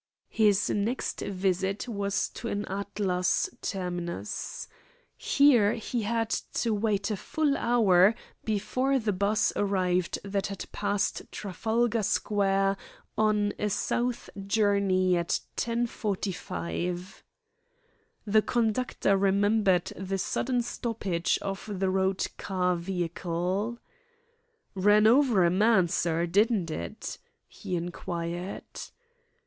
His next visit was to an Atlas terminus. Here he had to wait a full hour before the 'bus arrived that had passed Trafalgar Square on a south journey at 10.45. The conductor remembered the sudden stoppage of the Road Car vehicle. "Ran over a man, sir, didn't it?" he inquired.